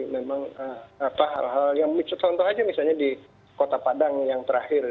memang hal hal yang contoh aja misalnya di kota padang yang terakhir